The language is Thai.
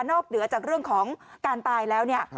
เหนือจากเรื่องของการตายแล้วเนี่ย